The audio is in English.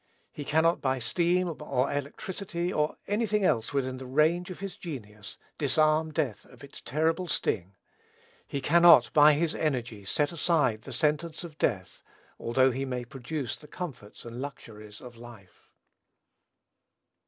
He cannot, by steam, or electricity, or any thing else within the range of his genius, disarm death of its terrible sting. He cannot, by his energy, set aside the sentence of death, although he may produce the comforts and luxuries of life.